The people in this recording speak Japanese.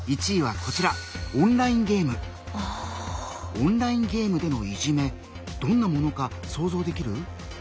オンラインゲームでのいじめどんなものか想像できる？